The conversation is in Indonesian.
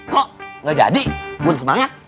kok gak jadi gua udah semangat